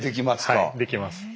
はいできます。